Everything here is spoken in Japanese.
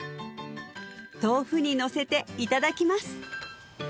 豆腐にのせていただきます